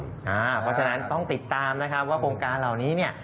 เพราะฉะนั้นต้องติดตามนะครับว่าโครงการเหล่านี้เนี่ย